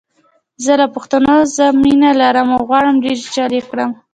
زه له پښتو زه مینه لرم او غواړم ډېجیټل یې کړم!